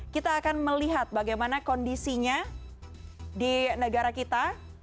kita akan melihat bagaimana kondisinya di negara kita